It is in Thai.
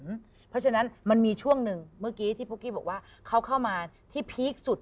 เพราะฉะนั้นมันมีช่วงหนึ่งเมื่อกี้ที่ปุ๊กกี้บอกว่าเขาเข้ามาที่พีคสุด